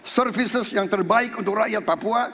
servisus yang terbaik untuk rakyat papua